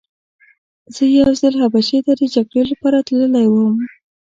زه یو ځل حبشې ته د جګړې لپاره تللی وم.